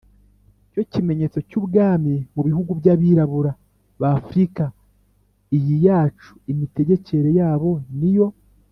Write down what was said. cyo kimenyetso cy’ubwami mu bihugu by’abirabura b’afrika iyi yacu. imitegekere yabo niyo